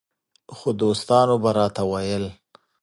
خو دوستانو به راته ویل